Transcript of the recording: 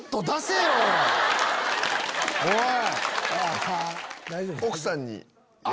おい！